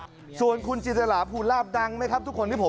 และก็มีการกินยาละลายริ่มเลือดแล้วก็ยาละลายขายมันมาเลยตลอดครับ